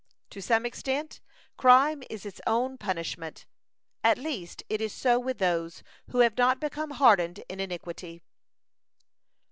To some extent, crime is its own punishment; at least, it is so with those who have not become hardened in iniquity.